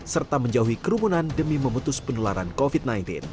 serta menjauhi kerumunan demi memutus penularan covid sembilan belas